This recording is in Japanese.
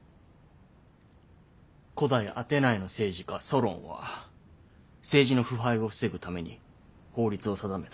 古代アテナイの政治家ソロンは政治の腐敗を防ぐために法律を定めた。